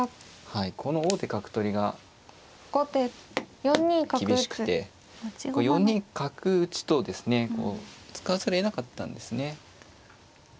はいこの王手角取りが厳しくて４二角打とですねこう使わざるをえなかったんですね。